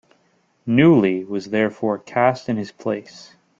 Newley was therefore cast in his place.